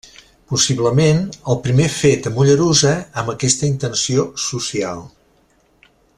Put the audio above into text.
Possiblement el primer fet a Mollerussa amb aquesta intenció social.